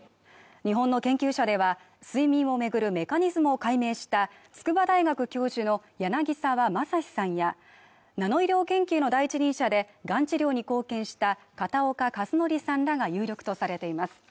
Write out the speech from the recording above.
日本の研究者では、睡眠を巡るメカニズムを解明した筑波大学教授の柳沢正史さんやナノ医療研究の第一人者で、がん治療に貢献した片岡一則さんらが有力とされています。